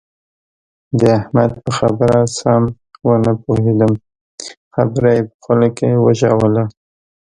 د احمد په خبره سم و نه پوهېدم؛ خبره يې په خوله کې وژوله.